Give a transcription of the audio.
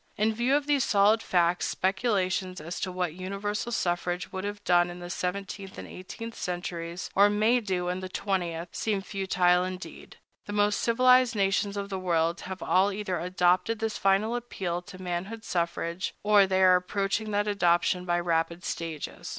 In view of these solid facts, speculations as to what universal suffrage would have done in the seventeenth and eighteenth centuries, or may do in the twentieth, seem futile indeed. The most civilized nations of the world have all either adopted this final appeal to manhood suffrage, or they are approaching that adoption by rapid stages.